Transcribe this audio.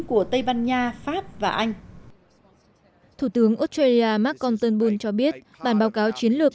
của tây ban nha pháp và anh thủ tướng australia mark constanbul cho biết bản báo cáo chiến lược